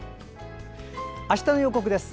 あしたの予告です。